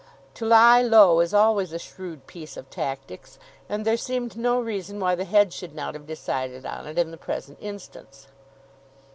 To lie low is always a shrewd piece of tactics, and there seemed no reason why the Head should not have decided on it in the present instance.